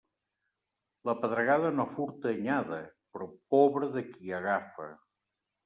La pedregada no furta anyada, però pobre de qui agafa.